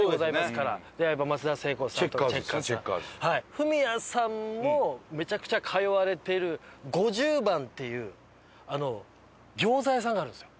フミヤさんもめちゃくちゃ通われてる五十番っていう餃子屋さんがあるんですよ。